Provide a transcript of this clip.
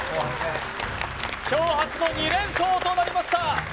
今日初の２連勝となりました